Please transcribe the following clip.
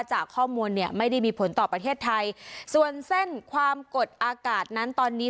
จากข้อมูลเนี่ยไม่ได้มีผลต่อประเทศไทยส่วนเส้นความกดอากาศนั้นตอนนี้